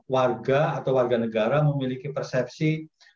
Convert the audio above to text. warga atau warga negara memiliki persepsi